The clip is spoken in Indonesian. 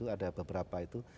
ada beberapa itu